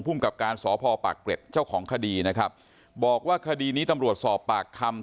กับการสพปากเกร็ดเจ้าของคดีนะครับบอกว่าคดีนี้ตำรวจสอบปากคำ